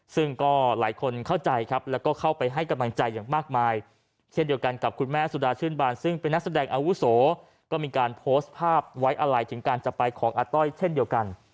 ซึ่งก็หลายคนเข้าใจครับแล้วก็เข้าไปให้กำลังใจอย่างมากมายเช่นเดียวกันกับคุณแม่สุดาชื่นบานซึ่งเป็นนักแสดงอาวุโสก็มีการโพสต์ภาพไว้อะไรถึงการจะไปของอาต้อยเช่นเดียวกัน